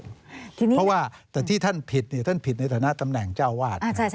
เพราะว่าแต่ที่ท่านผิดท่านผิดในฐานะตำแหน่งเจ้าวาด